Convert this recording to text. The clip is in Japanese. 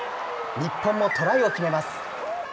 日本もトライを決めます。